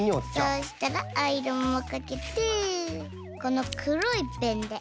そうしたらアイロンもかけてこのくろいペンでんっ！